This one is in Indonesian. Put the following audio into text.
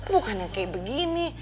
bukannya kayak begini